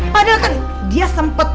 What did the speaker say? padahal kan dia sempet